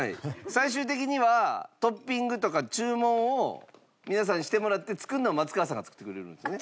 最終的にはトッピングとか注文を皆さんにしてもらって作るのは松川さんが作ってくれるんですよね？